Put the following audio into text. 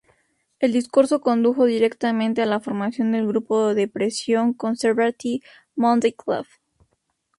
El discurso condujo directamente a la formación del grupo de presión Conservative Monday Club.